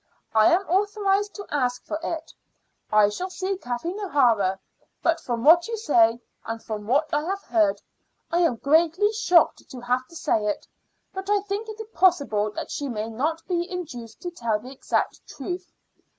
I am authorized to ask for it. I shall see Kathleen O'Hara, but from what you say, and from what I have heard, I am greatly shocked to have to say it, but I think it possible that she may not be induced to tell the exact truth.